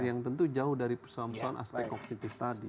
yang tentu jauh dari persoalan persoalan aspek kognitif tadi